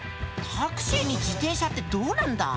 タクシーに自転車ってどうなんだ？